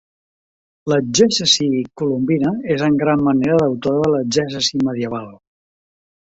L'exegesi colombina és en gran manera deutora de l'exegesi medieval.